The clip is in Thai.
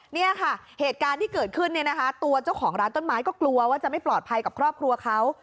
เนี่ยค่ะเหตุการณ์ที่เกิดขึ้นเนี่ยนะคะตัวเจ้าของร้านต้นไม้ก็กลัวว่าจะไม่ปลอดภัยกับครอบครัวเขา